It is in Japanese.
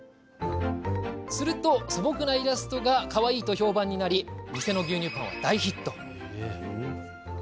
すると、素朴なイラストがかわいいと評判になり店の牛乳パンは大ヒット！